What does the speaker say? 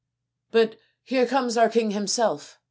But here comes our king himself.